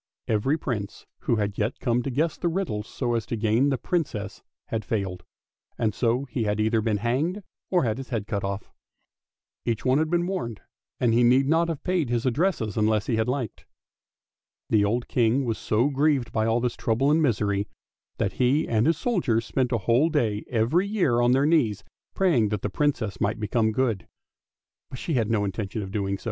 Every Prince who had yet come to guess the riddles so as to gain the Princess had failed, and so he had either been hanged or had his head cut off. Each one had been warned, and he need not have paid his addresses unless he had liked. The old King was so grieved by all this trouble and misery that he and his soldiers spent a whole day every year on their knees praying that the Princess might become good. But she had no intention of so doing.